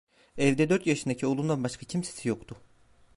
Evde dört yaşındaki oğlundan başka kimsesi yoktu.